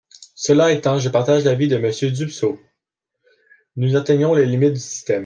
Cela étant, je partage l’avis de Monsieur Dussopt : nous atteignons les limites du système.